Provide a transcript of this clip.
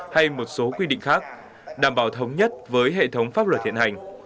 hay một số quy định khác đảm bảo thống nhất với hệ thống pháp luật hiện hành